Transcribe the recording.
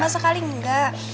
sama sekali enggak